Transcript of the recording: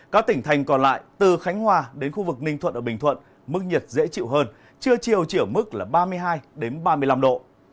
các tỉnh thành còn lại từ khánh hòa đến khu vực ninh thuận ở bình thuận mức nhiệt dễ chịu hơn trưa chiều chỉ ở mức ba mươi hai ba mươi năm độ